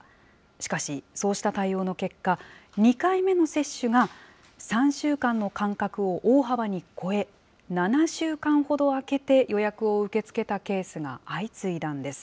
しかし、そうした対応の結果、２回目の接種が３週間の間隔を大幅に超え、７週間ほど空けて予約を受け付けたケースが相次いだんです。